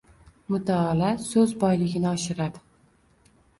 Mutolaa so‘z boyligini oshiradi.